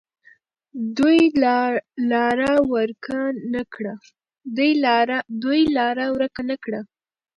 دوی لاره ورکه نه کړه.